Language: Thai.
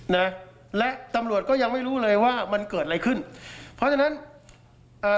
นะและตำรวจก็ยังไม่รู้เลยว่ามันเกิดอะไรขึ้นเพราะฉะนั้นเอ่อ